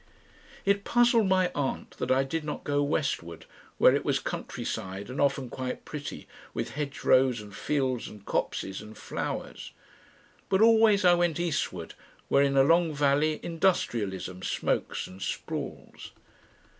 It puzzled my aunt that I did not go westward, where it was country side and often quite pretty, with hedgerows and fields and copses and flowers. But always I went eastward, where in a long valley industrialism smokes and sprawls.